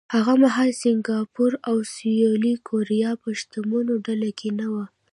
هغه مهال سینګاپور او سویلي کوریا په شتمنو ډله کې نه وو.